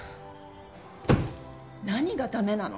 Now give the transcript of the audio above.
何がダメなの？